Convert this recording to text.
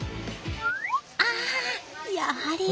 あやはり。